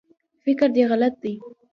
فکر دی غلط دی